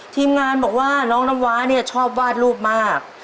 ทีมงานบอกว่าน้องน้ำว้าเนี่ยชอบวาดรูปมาก